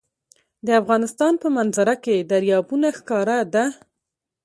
د افغانستان په منظره کې دریابونه ښکاره ده.